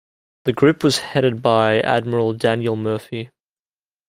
The group was headed by Admiral Daniel Murphy.